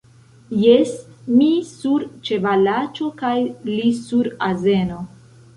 Jes; mi sur ĉevalaĉo kaj li sur azeno.